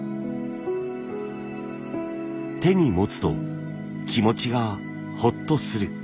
手に持つと気持ちがほっとする。